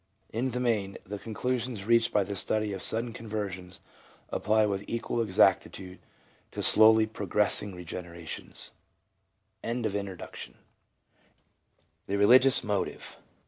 In the main the conclusions reached by the study of sudden conversions apply with equal exactitude to slowly progressing regenerations. The Religious Motive.